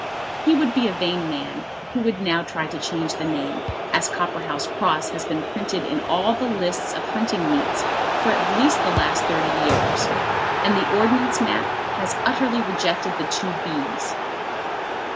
He would be a vain man who would now try to change the name, as Copperhouse Cross has been printed in all the lists of hunting meets for at least the last thirty years; and the Ordnance map has utterly rejected the two b's.